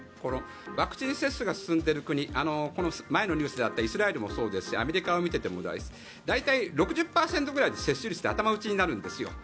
ワクチン接種が進んでいる国前のニュースであったイスラエルもそうですしアメリカを見ていてもそうですが大体６０％ぐらいで接種率って頭打ちになるんですよ。